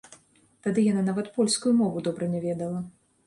Тады яна нават польскую мову добра не ведала.